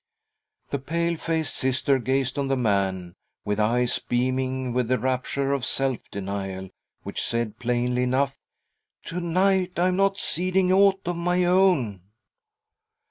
The pale faced Sister gazed on the man with eyes beaming with the rapture of self denial, which said plainly enough :" To night I am not seeding aught of my own."